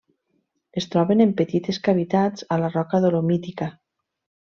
Es troba en petites cavitats a la roca dolomítica.